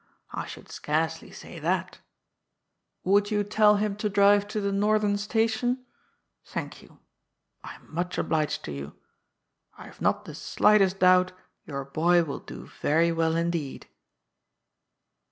I should scarcely say that Would you tell him to drive to the Northern Station ? Thank you. I am much obliged to you. I have not the slightest doubt your boy will do very well indeed.